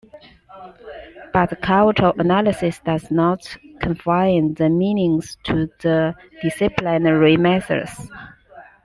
But cultural analysis does not confine the meanings to the disciplinary methods.